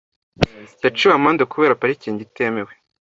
Yaciwe amande kubera parikingi itemewe .